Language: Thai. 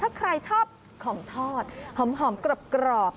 ถ้าใครชอบของทอดหอมกรอบ